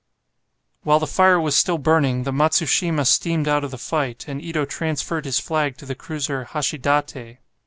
While the fire was still burning the "Matsushima" steamed out of the fight, and Ito transferred his flag to the cruiser "Hashidate."